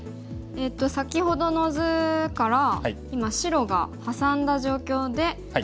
先ほどの図から今白がハサんだ状況で黒番ですね。